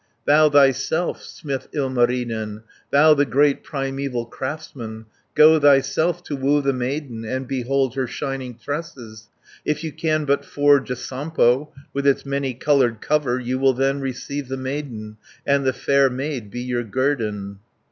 "Thou thyself, smith Ilmarinen, Thou, the great primeval craftsman, Go thyself to woo the maiden, And behold her shining tresses. If you can but forge a Sampo, With its many coloured cover, You will then receive the maiden, And the fair maid be your guerdon."